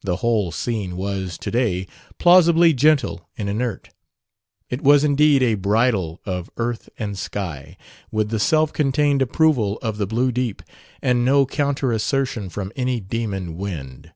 The whole scene was, to day, plausibly gentle and inert. It was indeed a bridal of earth and sky, with the self contained approval of the blue deep and no counter assertion from any demon wind.